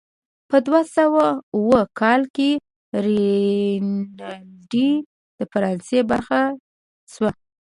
په دوه سوه اووه کال کې راینلنډ د فرانسې برخه شوه.